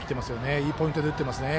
いいポイントで打ってますよね。